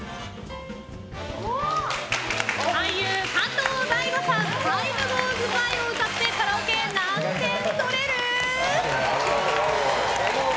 俳優・加藤大悟さん「Ｔｉｍｅｇｏｅｓｂｙ」を歌ってカラオケ何点取れる？